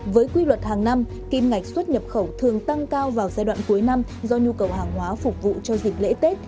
với quy luật hàng năm kim ngạch xuất nhập khẩu thường tăng cao vào giai đoạn cuối năm do nhu cầu hàng hóa phục vụ cho dịp lễ tết